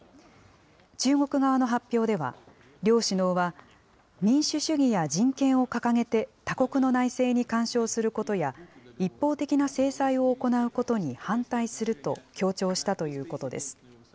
中国側の発表では、両首脳は、民主主義や人権を掲げて、他国の内政に干渉することや、一方的な制裁を行うことに反対すると強調したということです。